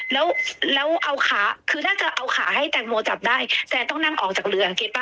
แล้วแล้วเอาขาคือถ้าจะเอาขาให้แตงโมจับได้แซนต้องนั่งออกจากเรือเก็บป้ะ